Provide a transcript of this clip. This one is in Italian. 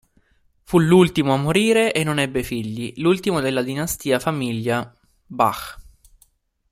Fu l'ultimo a morire e non ebbe figli, l'ultimo della dinastia famiglia Bach.